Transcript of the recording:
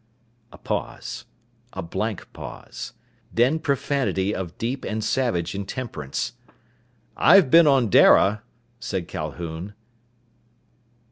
A pause. A blank pause. Then profanity of deep and savage intemperance. "I've been on Dara," said Calhoun.